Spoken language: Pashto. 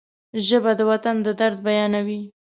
ژبه د وطن د درد بیانوي